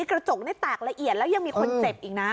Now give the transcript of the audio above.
กระจกนี่แตกละเอียดแล้วยังมีคนเจ็บอีกนะ